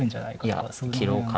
いや切ろうかな。